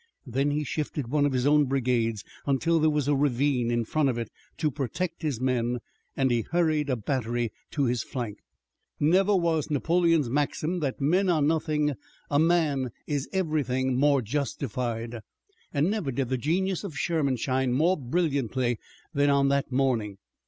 Then he shifted one of his own brigades until there was a ravine in front of it to protect his men, and he hurried a battery to his flank. Never was Napoleon's maxim that men are nothing, a man is everything, more justified, and never did the genius of Sherman shine more brilliantly than on that morning.